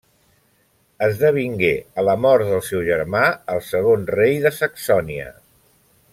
Esdevingué, a la mort del seu germà, el segon rei de Saxònia.